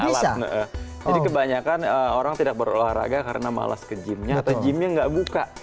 jadi kebanyakan orang tidak berolahraga karena males ke gymnya atau gymnya nggak buka